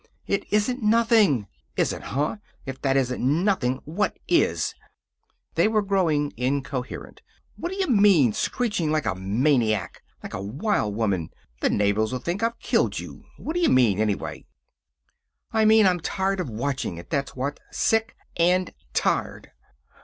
"It isn't nothing." "Isn't, huh? If that isn't nothing, what is?" They were growing incoherent. "What d'you mean, screeching like a maniac? Like a wild woman? The neighbors'll think I've killed you. What d'you mean, anyway!" "I mean I'm tired of watching it, that's what. Sick and tired."